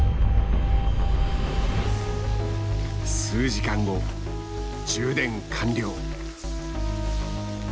数時間後充電完了。